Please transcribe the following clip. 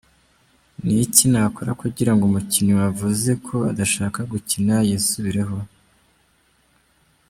Ni iki nakora kugira ngo umukinnyi wavuze ko adashaka gukina yisubireho?.